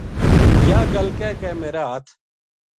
یاہ گل کہہ کے میرا ہتھ